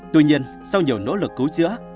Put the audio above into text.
tuy nhiên sau nhiều nỗ lực cứu giữa